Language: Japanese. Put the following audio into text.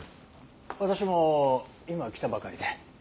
私も今来たばかりで。